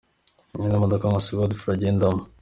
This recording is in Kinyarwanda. Iyi ni yo modoka Nkusi Godfrey agendamo.